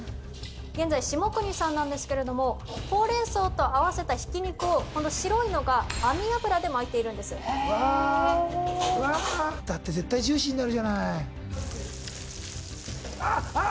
現在下國さんなんですけれどもほうれんそうと合わせたひき肉をこの白いのが網脂で巻いているんですへえーだって絶対ジューシーになるじゃないあっあっ！